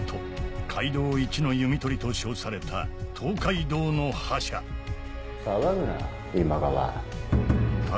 海道一の弓取りと称された東海道の覇者騒ぐな今川。